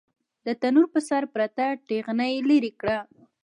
د تنور پر سر پرته تېغنه يې ليرې کړه.